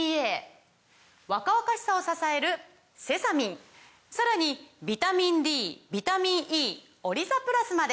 若々しさを支えるセサミンさらにビタミンＤビタミンＥオリザプラスまで！